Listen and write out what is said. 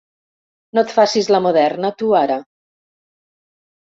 No et facis la moderna, tu ara.